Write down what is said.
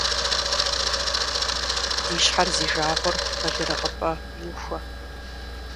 Ди щхьэр зи жагъуэр бэлырыгъыпӏэ иухуэ.